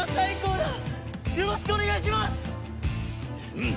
うん！